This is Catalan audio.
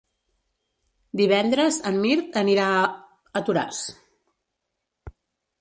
Divendres en Mirt anirà a Toràs.